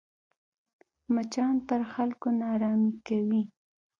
مچان پر خلکو ناارامي کوي